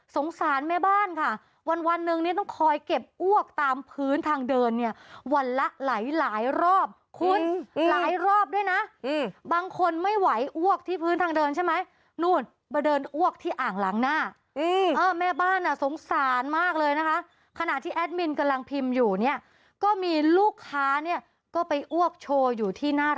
สารแม่บ้านค่ะวันวันหนึ่งเนี่ยต้องคอยเก็บอ้วกตามพื้นทางเดินเนี่ยวันละหลายหลายรอบคุณหลายรอบด้วยนะบางคนไม่ไหวอ้วกที่พื้นทางเดินใช่ไหมนู่นมาเดินอ้วกที่อ่างล้างหน้าแม่บ้านอ่ะสงสารมากเลยนะคะขณะที่แอดมินกำลังพิมพ์อยู่เนี่ยก็มีลูกค้าเนี่ยก็ไปอ้วกโชว์อยู่ที่หน้า